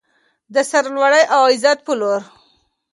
د سرلوړۍ او عزت په لور.